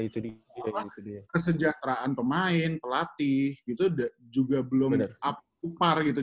jadi emang orang kesejahteraan pemain pelatih gitu juga belum upar gitu